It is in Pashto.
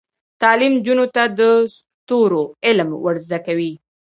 تعلیم نجونو ته د ستورو علم ور زده کوي.